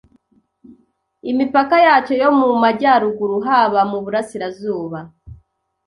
Imipaka yacyo yo mu majyaruguru haba mu burasirazuba